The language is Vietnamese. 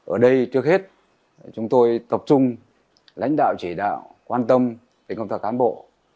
ở đây trước hết chúng tôi tập trung lãnh đạo chỉ đạo quan tâm đến công tác cán bộ